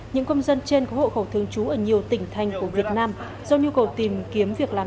những công dân trên có hộ khẩu thương chú ở nhiều tỉnh thành của việt nam do nhu cầu tìm kiếm việc làm